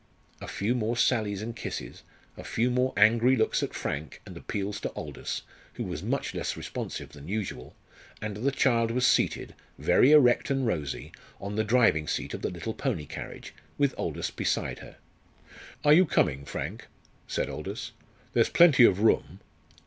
A few more sallies and kisses, a few more angry looks at Frank and appeals to Aldous, who was much less responsive than usual, and the child was seated, very erect and rosy, on the driving seat of the little pony carriage, with Aldous beside her. "Are you coming, Frank?" said Aldous; "there's plenty of room."